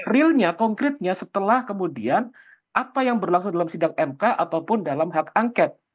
realnya konkretnya setelah kemudian apa yang berlangsung dalam sidang mk ataupun dalam hak angket